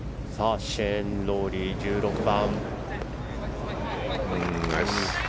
シェーン・ロウリー１６番。